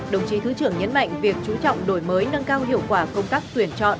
đồng chí thứ trưởng nhấn mạnh việc chú trọng đổi mới nâng cao hiệu quả công tác tuyển chọn